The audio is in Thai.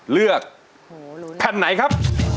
เลือกแผ่นไหนครับ